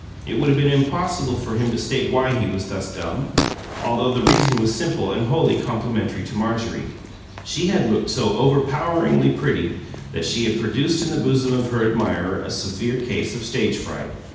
It would have been impossible for him to state why he was thus dumb, although the reason was simple and wholly complimentary to Marjorie: she had looked so overpoweringly pretty that she had produced in the bosom of her admirer a severe case of stage fright.